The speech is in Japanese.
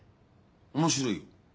面白いよ。